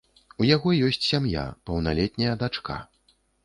У яго ёсць сям'я, паўналетняя дачка.